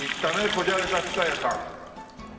こじゃれた蔦屋さん。